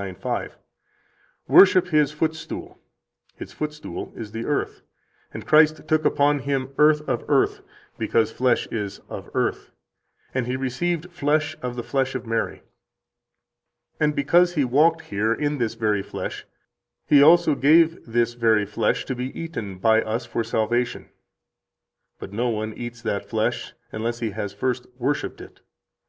8, p. 1103): "'Worship His footstool.' His footstool is the earth, and Christ took upon Him earth of earth, because flesh is of earth; and He received flesh of the flesh of Mary. And because He walked here in this very flesh, he also gave this very flesh to be eaten by us for salvation. But no one eats that flesh unless He has first worshiped it.